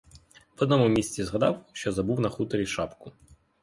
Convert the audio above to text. В одному місці згадав, що забув на хуторі шапку.